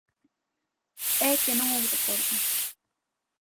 _É que non o recordo.